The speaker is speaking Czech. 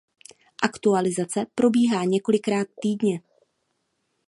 Aktualizace probíhá několikrát týdně.